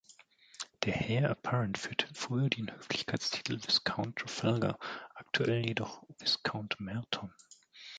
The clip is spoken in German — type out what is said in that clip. Der Heir Apparent führte früher den Höflichkeitstitel "Viscount Trafalgar", aktuell jedoch "Viscount Merton".